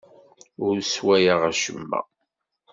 Ur sswayeɣ acemma.